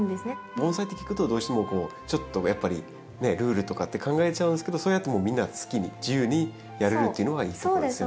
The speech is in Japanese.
盆栽って聞くとどうしてもちょっとやっぱりルールとかって考えちゃうんですけどそうやってみんな好きに自由にやれるっていうのがいいところですよね。